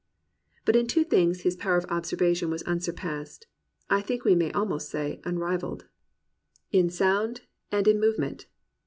'* But in two things his power of observation was unsurpassed, I think we may almost say, unrivalled: 207 COMPANIONABLE BOOKS in sound, and in movement.